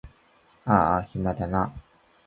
あーあ暇だな